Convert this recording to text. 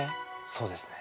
そうですね。